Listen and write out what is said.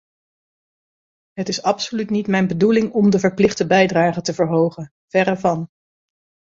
Het is absoluut niet mijn bedoeling om de verplichte bijdrage te verhogen, verre van.